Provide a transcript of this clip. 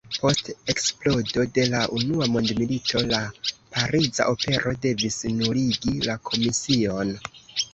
Post eksplodo de la unua mondmilito la Pariza Opero devis nuligi la komision.